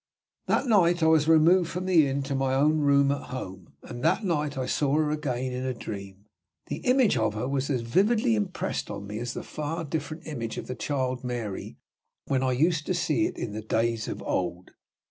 That night I was removed from the inn to my own room at home; and that night I saw her again in a dream. The image of her was as vividly impressed on me as the far different image of the child Mary, when I used to see it in the days of old.